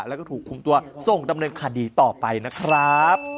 แล้วก็ถูกคุมตัวส่งดำเนินคดีต่อไปนะครับ